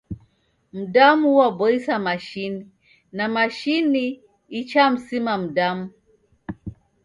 Mdamu uaboisa mashini, na mashini iachamsima mdamu!